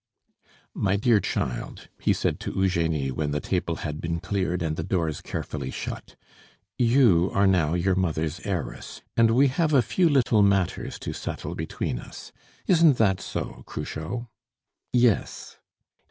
"My dear child," he said to Eugenie when the table had been cleared and the doors carefully shut, "you are now your mother's heiress, and we have a few little matters to settle between us. Isn't that so, Cruchot?" "Yes."